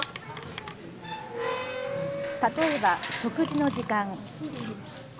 例えば、食事の時間。